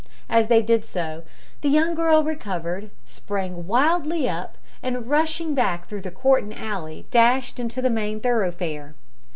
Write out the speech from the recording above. As they did so the young girl recovered, sprang wildly up, and rushing back through the court and alley, dashed into the main thoroughfare.